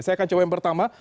saya akan coba yang pertama